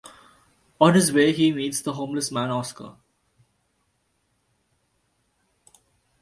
On his way he meets the homeless man Oscar.